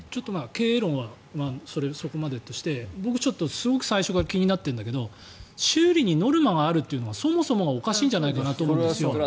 経営論はそこまでとして僕すごく最初から気になっているんだけど修理にノルマがあるというのはそもそもがおかしいんじゃないかと。